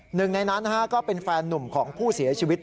หนึ่งในนั้นก็เป็นแฟนนุ่มของผู้เสียชีวิต